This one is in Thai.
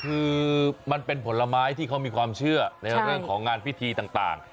คือมันเป็นผลไม้ที่เขามีความเชื่อในเรื่องของงานพิธีต่าง